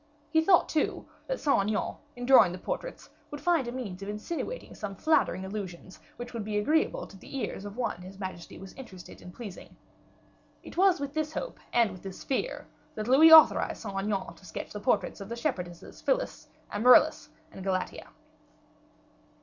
He thought, too, that Saint Aignan, in drawing the portraits, would find a means of insinuating some flattering allusions which would be agreeable to the ears of one his majesty was interested in pleasing. It was with this hope and with this fear that Louis authorized Saint Aignan to sketch the portraits of the shepherdesses, Phyllis, Amaryllis, and Galatea.